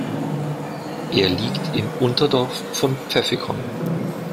Er liegt im Unterdorf von Pfäffikon.